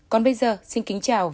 còn bây giờ xin kính chào và hẹn gặp lại